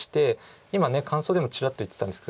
今感想でもちらっと言ってたんですけど。